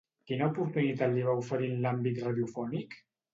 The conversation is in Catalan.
Quina oportunitat li va oferir en l'àmbit radiofònic?